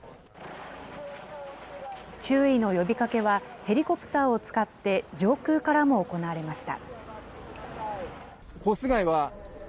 注意の呼びかけはヘリコプターを使って、上空からも行われました。